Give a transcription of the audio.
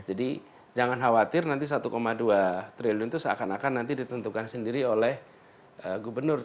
jadi jangan khawatir nanti satu dua triliun itu seakan akan nanti ditentukan sendiri oleh gubernur